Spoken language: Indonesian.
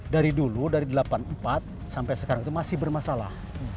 dari dulu dari seribu sembilan ratus delapan puluh empat sampai sekarang itu masih bermasalah